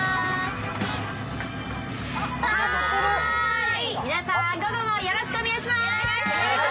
はーい、皆さん、午後もよろしくお願いします。